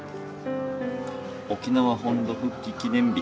「沖縄本土復帰記念日」。